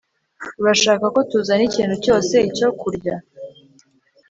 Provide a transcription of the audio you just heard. urashaka ko tuzana ikintu cyose cyo kurya